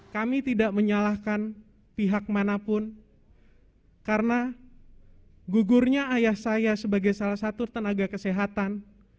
kami tidak menyalahkan pihak manapun karena gugurnya ayah saya sebagai salah satu tenaga kesehatan